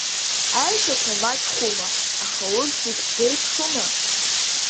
Аеҵәақәа мачхәума, аха урҭ зегь сзеиԥшума?